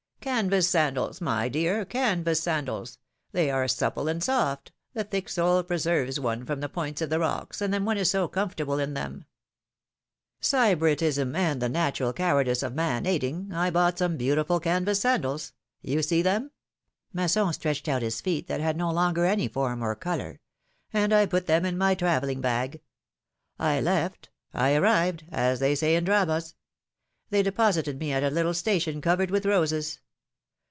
^ Canvas sandals, my dear, canvas sandals ! They are supple and soft, the thick sole preserves one from the points of the rocks, and then one is so comfortable in them !^ Sybaritism and the natural cowardice of man aiding, I bought some beautiful canvas sandals ; you see them'^ — Masson stretched out his feet that had no longer any form or color — ^^and I put them in my travelling bag. I left — I arrived — as they say in dramas. They deposited me at a little station covered with roses.